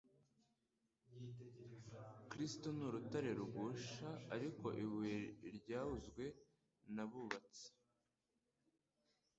Kristo ni Urutare rigusha- Ariko «ibuye ryauzwe n'abubatsi,